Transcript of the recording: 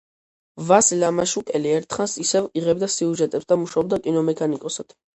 ვასილ ამაშუკელი ერთხანს ისევ იღებდა სიუჟეტებს და მუშაობდა კინომექანიკოსად.